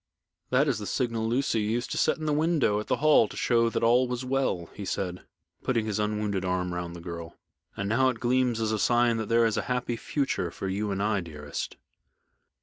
"That is the signal Lucy used to set in the window at the Hall to show that all was well," he said, putting his unwounded arm round the girl, "and now it gleams as a sign that there is a happy future for you and I, dearest."